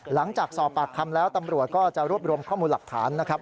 หลังจากสอบปากคำแล้วตำรวจก็จะรวบรวมข้อมูลหลักฐานนะครับ